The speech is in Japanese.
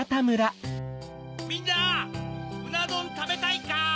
みんなうなどんたべたいか？